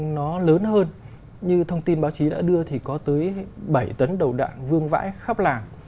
nó lớn hơn như thông tin báo chí đã đưa thì có tới bảy tấn đầu đạn vương vãi khắp làng